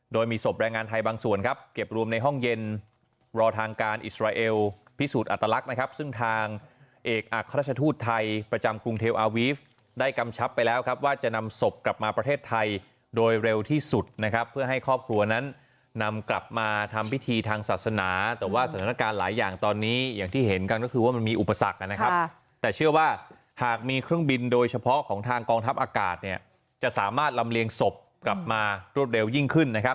โดยมีศพแรงงานไทยบางส่วนครับเก็บรวมในห้องเย็นรอทางการอิสราเอลพิสูจน์อัตลักษณ์นะครับซึ่งทางเอกอักษฐาทูตไทยประจำกรุงเทียวอาวีฟได้กำชับไปแล้วครับว่าจะนำศพกลับมาประเทศไทยโดยเร็วที่สุดนะครับเพื่อให้ครอบครัวนั้นนำกลับมาทำพิธีทางศาสนาแต่ว่าสถานการณ์หลายอย่าง